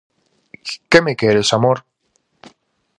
Que me queres, amor?